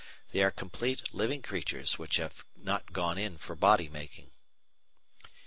They are complete living creatures which have not gone in for body making.